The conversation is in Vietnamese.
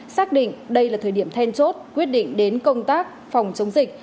xác định đây là thời điểm then chốt quyết định đến công tác phòng chống dịch